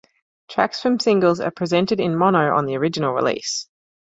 Tracks from singles are presented in mono on the original release.